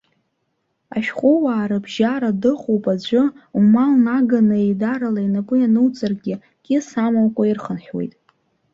Ашәҟәыуаа рыбжьара дыҟоуп аӡәы, умал наганы еидарала инапы иануҵаргьы кьыс амамкәа ирхынҳәуеит.